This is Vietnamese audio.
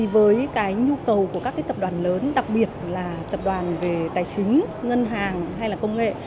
với cái nhu cầu của các tập đoàn lớn đặc biệt là tập đoàn về tài chính ngân hàng hay là công nghệ